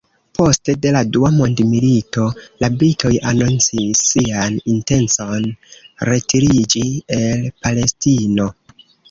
Poste de la Dua Mondmilito, la britoj anoncis sian intencon retiriĝi el Palestino.